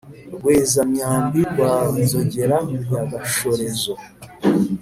rweza-myambi rwa nzogera ya gashorezo